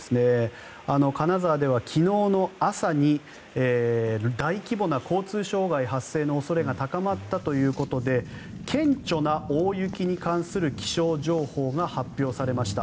金沢では昨日の朝に大規模な交通障害発生の恐れが高まったということで顕著な大雪に関する気象情報が発表されました。